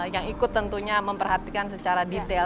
yang ikut tentunya memperhatikan secara detail